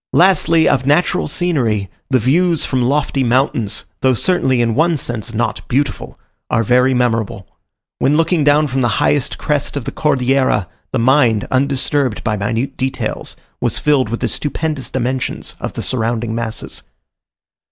Lastly, of natural scenery, the views from lofty mountains, through certainly in one sense not beautiful, are very memorable. When looking down from the highest crest of the Cordillera, the mind, undisturbed by minute details, was filled with the stupendous dimensions of the surrounding masses.